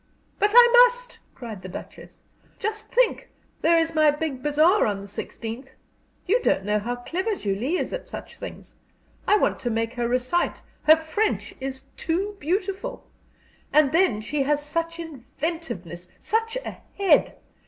"But I must!" cried the Duchess. "Just think, there is my big bazaar on the 16th. You don't know how clever Julie is at such things. I want to make her recite her French is too beautiful! And then she has such inventiveness, such a head!